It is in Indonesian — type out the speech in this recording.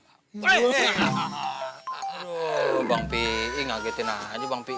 aduh bang pi ngagetin aja bang pi